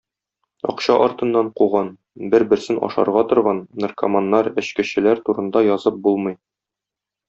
Акча артыннан куган, бер-берсен ашарга торган, наркоманнар, эчкечеләр турында язып булмый.